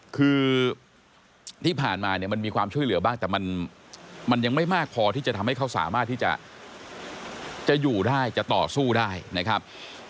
คือที่ผ่านมาเนี่ยมันมีความช่วยเหลือบ้างแต่มันยังไม่มากพอที่จะทำให้เขาสามารถที่จะอยู่ได้จะต่อสู้ได้นะครับ